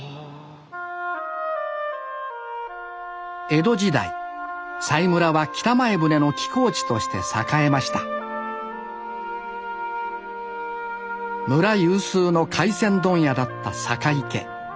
江戸時代佐井村は北前船の寄港地として栄えました村有数の回船問屋だった坂井家。